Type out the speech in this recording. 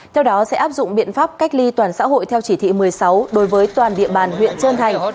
theo đó sẽ áp dụng biện pháp cách ly toàn xã hội theo chỉ thị một mươi sáu đối với toàn địa bàn huyện trơn thành